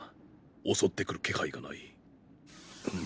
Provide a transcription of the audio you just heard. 襲ってくる気配がない。